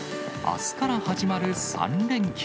あすから始まる３連休。